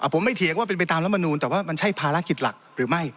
ผมไม่เถียงว่าเป็นไปตามรัฐมนูลแต่ว่ามันใช่ภารกิจหลักหรือไม่